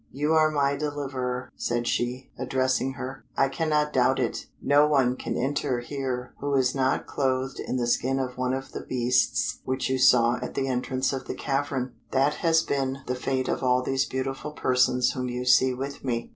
"You are my deliverer," said she, addressing her; "I cannot doubt it; no one can enter here who is not clothed in the skin of one of the beasts which you saw at the entrance of the cavern; that has been the fate of all these beautiful persons whom you see with me.